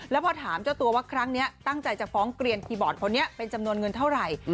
แล้วพอถามเจ้าตัวว่าครั้งนี้ตั้งใจจะฟ้องเกลียนคีย์บอร์ดคนนี้เป็นจำนวนเงินเท่าไหร่